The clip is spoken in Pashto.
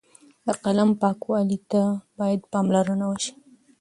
د قلم پاکوالۍ ته باید پاملرنه وشي.